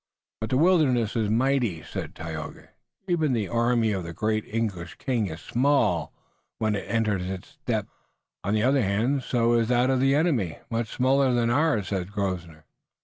"But the wilderness is mighty," said Tayoga. "Even the army of the great English king is small when it enters its depths." "On the other hand so is that of the enemy, much smaller than ours," said Grosvenor.